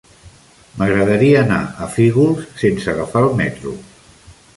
M'agradaria anar a Fígols sense agafar el metro.